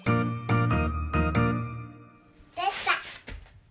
できた！